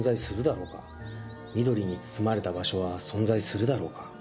「緑に包まれた場所は存在するだろうか」